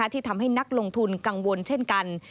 ที่ทำให้นักลงทุนกังวลเช่นกัน